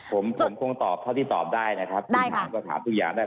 ผมผมคงตอบเท่าที่ตอบได้นะครับคุณถามก็ถามทุกอย่างได้